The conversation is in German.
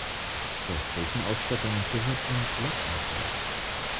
Zur Kirchenausstattung gehört ein Blockaltar.